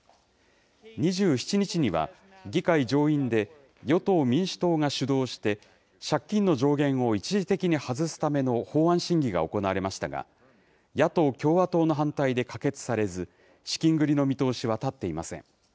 ２７日には、議会上院で与党・民主党が主導して、借金の上限を一時的に外すための法案審議が行われましたが、野党・共和党の反対で可決されず、資金繰りの見通しは立っていません。